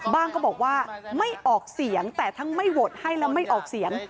ก็บอกว่าไม่ออกเสียงแต่ทั้งไม่โหวตให้และไม่ออกเสียง